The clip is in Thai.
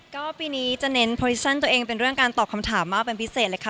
ก็ปีนี้จะเน้นโปรลิชั่นตัวเองเป็นเรื่องการตอบคำถามมากเป็นพิเศษเลยค่ะ